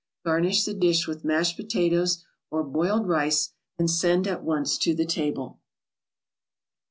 Garnish the dish with mashed potatoes or boiled rice, and send at once to the table.